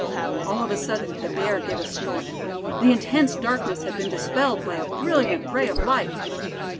All of a sudden the bear gave a snort. The intense darkness had been dispelled by a brilliant ray of light.